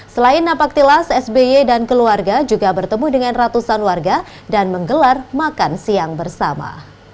selain napaktilas sby dan keluarga juga bertemu dengan ratusan warga dan menggelar makan siang bersama